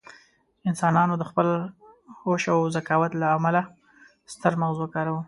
انسانان د خپل هوښ او ذکاوت له امله ستر مغز وکاروه.